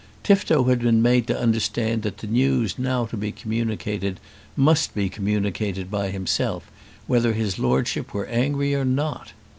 Tifto had been made to understand that the news now to be communicated, must be communicated by himself, whether his Lordship were angry or not.